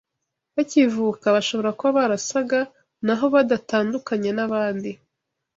Bakivuka bashobora kuba barasaga n’aho badatandukanye n’abandi